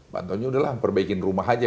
bantuan sudah lah perbaikin rumah saja